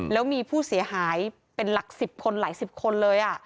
แล้วมีผู้เสียหายเป็นหลัก๑๐คนหลายสิบคนเลย